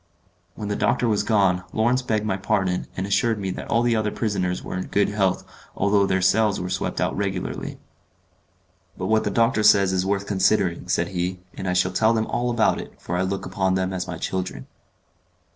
When the doctor was gone, Lawrence begged my pardon, and assured me that all the other prisoners were in good health although their cells were swept out regularly. "But what the doctor says is worth considering," said he, "and I shall tell them all about it, for I look upon them as my children."